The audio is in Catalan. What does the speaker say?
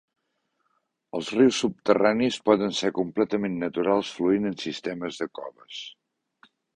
Els rius subterranis poden ser completament naturals fluint en sistemes de coves.